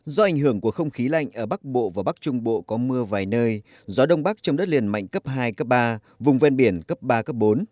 do ảnh hưởng của không khí lạnh ở bắc bộ và bắc trung bộ có mưa vài nơi gió đông bắc trong đất liền mạnh cấp hai cấp ba vùng ven biển cấp ba cấp bốn